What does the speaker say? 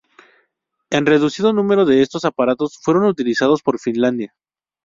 Un reducido número de estos aparatos fueron utilizados por Finlandia.